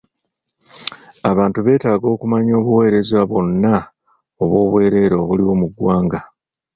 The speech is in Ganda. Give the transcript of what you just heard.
Abantu beetaaga okumanya obuweereza bwonna obw'obwereere obuliwo mu ggwanga.